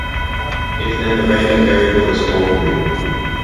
If then the random variable is called "real".